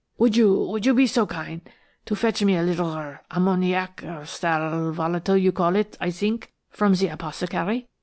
Would you–would you be so kind to fetch me a little–er–ammoniac–er–sal volatile you call it, I zink–from ze apothecary?